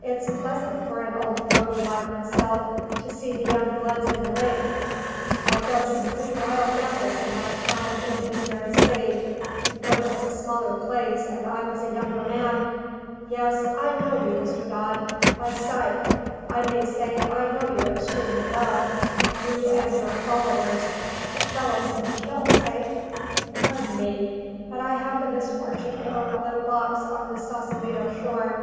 It's pleasant for an old fogy like myself to see the young bloods in the ring; I've done some pretty wild gambles in my time in this very city, when it was a smaller place and I was a younger man. Yes, I know you, Mr. Dodd. By sight, I may say I know you extremely well, you and your followers, the fellows in the kilts, eh? Pardon me. But I have the misfortune to own a little box on the Saucelito shore.